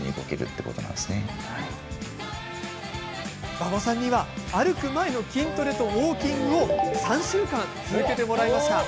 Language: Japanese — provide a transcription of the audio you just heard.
馬場さんには歩く前の筋トレとウォーキングを３週間、続けてもらいました。